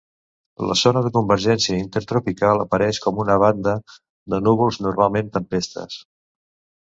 La zona de convergència intertropical apareix com una banda de núvols, normalment tempestes.